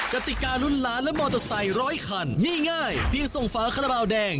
กฎิการุ่นหลานและมอเตอร์ไซยร้อยครันง่ายง่ายเพียงส่งภาคัฑราบาวแดง